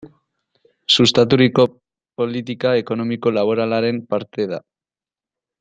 Sustaturiko politika ekonomiko-laboralaren parte da.